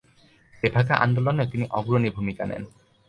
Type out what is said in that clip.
তেভাগা আন্দোলনেও তিনি অগ্রণী ভূমিকা নেন।